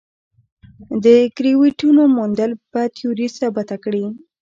د ګرویټونو موندل به تیوري ثابته کړي.